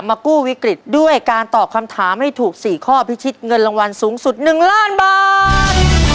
กู้วิกฤตด้วยการตอบคำถามให้ถูก๔ข้อพิชิตเงินรางวัลสูงสุด๑ล้านบาท